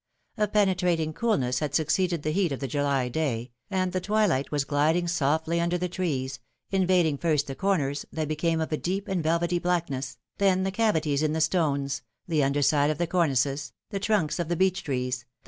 A penetrating coolness had suc ceeded the heat of the July day, and the twilight was gliding softly under the trees, invading first the corners, that became of a deep and velvety blackness, then the cavities in the stones, the underside of the cornices, the trunks of the beech trees, the.